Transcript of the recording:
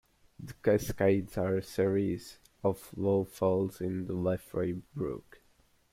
The Cascades are a series of low falls in the Lefroy brook.